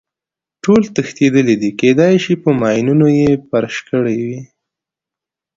ټول تښتېدلي دي، کېدای شي په ماینونو یې فرش کړی وي.